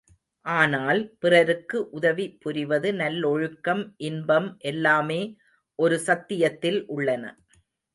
ஆனால், பிறருக்கு உதவி, புரிவது நல்லொழுக்கம், இன்பம் எல்லாமே ஒரு சத்தியத்தில் உள்ளன.